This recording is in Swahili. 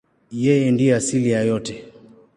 Yeye ndiye asili ya yote.